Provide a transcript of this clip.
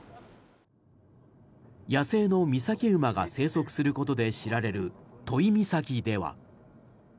野生のミサキウマが生息することで知られる都井岬では。